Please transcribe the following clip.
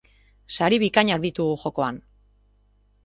Sari bikainak ditugu jokoan!